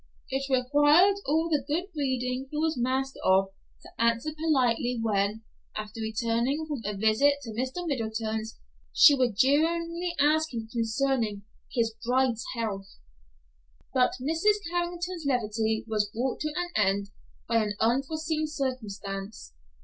It required all the good breeding he was master of to answer politely when, after returning from a visit to Mr. Middleton's, she would jeeringly ask him concerning "his bride's health!" But Mrs. Carrington's levity was brought to an end by an unforeseen circumstance.